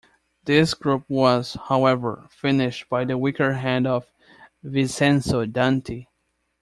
This group was, however, finished by the weaker hand of Vincenzo Danti.